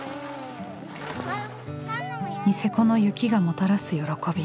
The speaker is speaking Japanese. ニセコの雪がもたらす喜び。